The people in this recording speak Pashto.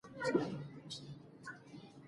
ستاسو د کمپیوټر رم څو جې بې دی؟